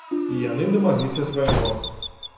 І яны дамагліся свайго.